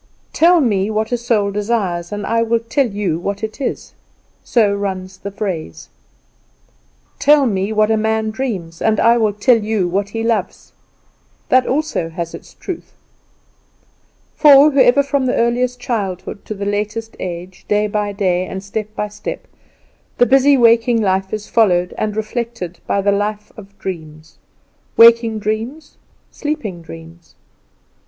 "Tell me what a soul desires, and I will tell you what it is." So runs the phrase. "Tell me what a man dreams, and I will tell you what he loves." That also has its truth. For, ever from the earliest childhood to the latest age, day by day, and step by step, the busy waking life is followed and reflected by the life of dreams waking dreams, sleeping dreams.